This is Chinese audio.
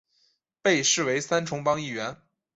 被视为三重帮一员。